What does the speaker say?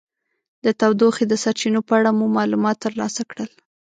د تودوخې د سرچینو په اړه مو معلومات ترلاسه کړل.